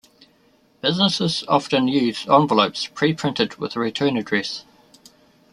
Businesses often use envelopes preprinted with a return address.